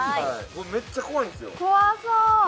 これめっちゃ怖いんですよ。